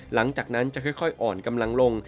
หลังจากนั้นจะค่อยอ่อนกำลังลง